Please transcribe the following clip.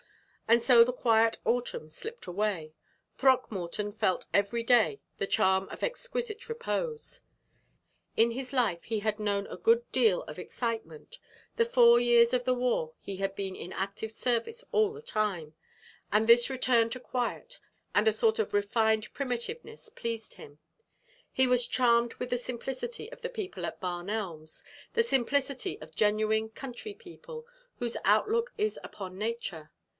And so the quiet autumn slipped away. Throckmorton felt every day the charm of exquisite repose. In his life he had known a good deal of excitement the four years of the war he had been in active service all the time and this return to quiet and a sort of refined primitiveness pleased him. He was charmed with the simplicity of the people at Barn Elms the simplicity of genuine country people, whose outlook is upon nature.